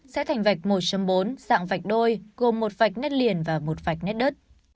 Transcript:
sẽ thành vạch một bốn dạng vạch đôi gồm một vạch nét liền và một vạch nét đất